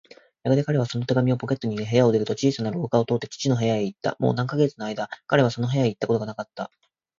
やがて彼はその手紙をポケットに入れ、部屋を出ると、小さな廊下を通って父の部屋へいった。もう何カ月かのあいだ、彼はその部屋へいったことがなかった。